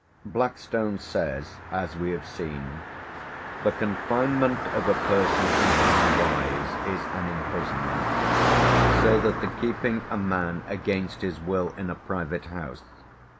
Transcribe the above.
Blackstone says, as we have seen: "the confinement of a person in any wise is an imprisonment So that the keeping a man against his will in a private house...